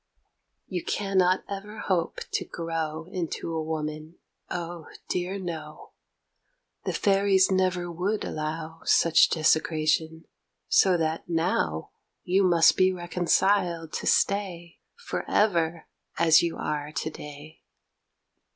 You cannot ever hope to grow Into a woman; oh dear no! The fairies never would allow Such desecration; so that, now, You must be reconciled to stay For ever as you are to day.